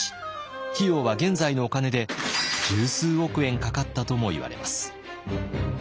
費用は現在のお金で十数億円かかったともいわれます。